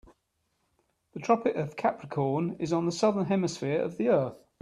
The Tropic of Capricorn is on the Southern Hemisphere of the earth.